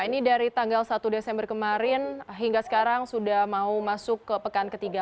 ini dari tanggal satu desember kemarin hingga sekarang sudah mau masuk ke pekan ketiga